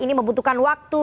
ini membutuhkan waktu